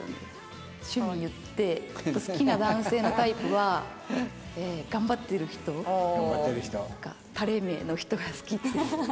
趣味言って好きな男性のタイプは頑張ってる人とかタレ目の人が好きです。